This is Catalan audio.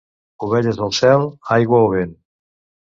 Ovelles al cel, aigua o vent.